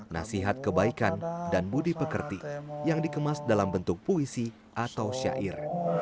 nasihat kebaikan dan budi pekerti yang dikemas dalam bentuk puisi atau syair